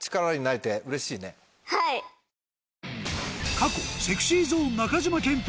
過去 ＳｅｘｙＺｏｎｅ 中島健人